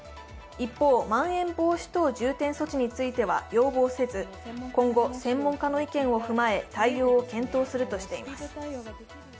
一方、まん延防止等重点措置については要望せず今後、専門家の意見を踏まえ対応を検討するとしています。